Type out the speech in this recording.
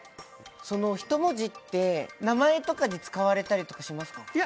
そのひと文字って名前とかに使われたりとかしますか？